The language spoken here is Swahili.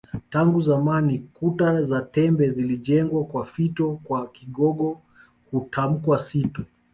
Tangu zamani kuta za tembe zilijengwa kwa fito kwa Kigogo hutamkwa sito